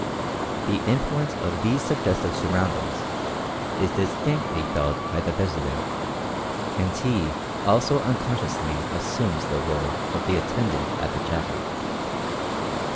The influence of these suggestive surroundings is distinctly felt by the visitor, and he also unconsciously assumes the role of the attendant at the chapel.